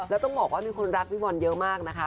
แล้วต้องบอกว่ามีคนรักพี่บอลเยอะมากนะคะ